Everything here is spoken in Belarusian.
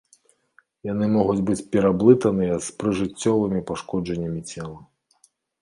Яны могуць быць пераблытаныя з прыжыццёвымі пашкоджаннямі цела.